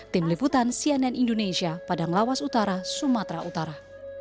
tim liputan cnn indonesia padang lawas utara sumatera utara